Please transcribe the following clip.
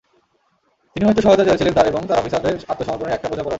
তিনি হয়তো সহায়তা চেয়েছিলেন তাঁর এবং তাঁর অফিসারদের আত্মসমর্পণের একটা বোঝাপড়ার।